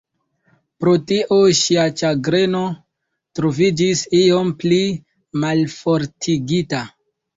Pro tio ŝia ĉagreno troviĝis iom pli malfortigita.